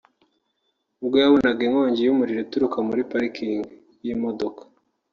ubwo yabonaga inkongi y’umuriro ituruka muri pariking y’imodoka